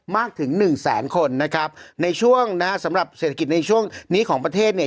ถึงหนึ่งแสนคนนะครับในช่วงนะฮะสำหรับเศรษฐกิจในช่วงนี้ของประเทศเนี่ย